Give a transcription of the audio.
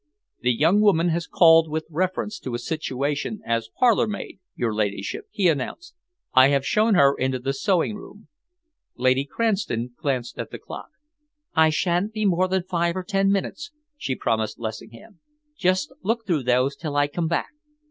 "The young woman has called with reference to a situation as parlour maid, your ladyship," he announced. "I have shown her into the sewing room." Lady Cranston glanced at the clock. "I sha'n't be more than five or ten minutes," she promised Lessingham. "Just look through those till I come back."